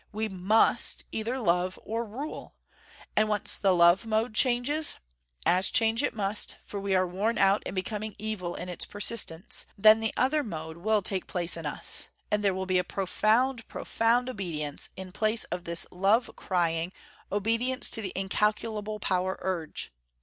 We MUST either love, or rule. And once the love mode changes, as change it must, for we are worn out and becoming evil in its persistence, then the other mode will take place in us. And there will be profound, profound obedience in place of this love crying, obedience to the incalculable power urge.